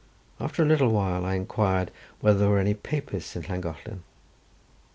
After a little time I inquired whether there were any Papists in Llangollen.